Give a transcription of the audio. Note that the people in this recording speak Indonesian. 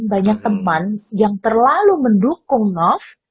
banyak temen yang terlalu mendukung ranov